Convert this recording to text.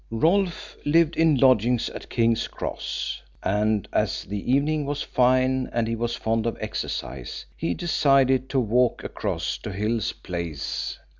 Rolfe lived in lodgings at King's Cross, and, as the evening was fine and he was fond of exercise, he decided to walk across to Hill's place.